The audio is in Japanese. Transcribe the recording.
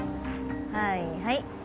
はいはい。